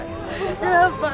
pak pak pak